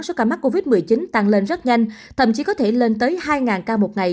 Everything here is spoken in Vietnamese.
số ca mắc covid một mươi chín tăng lên rất nhanh thậm chí có thể lên tới hai ca một ngày